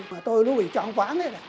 mà tôi luôn bị tróng vãng hết